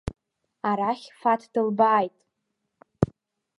Арахь Фаҭ дылбааит.